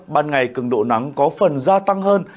ban ngày cường độ nắng có phần gia tăng hơn